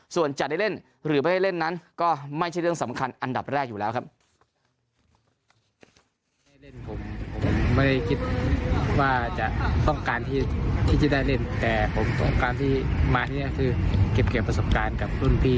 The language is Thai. ส่วนจะได้เล่นหรือไม่ได้เล่นนั้นก็ไม่ใช่เรื่องสำคัญอันดับแรกอยู่แล้วครับ